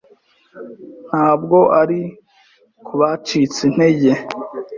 Ntabwo ari kubacitse intege.